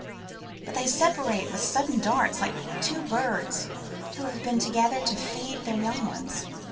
But they separate with sudden darts, like two birds who have been together to feed their young ones.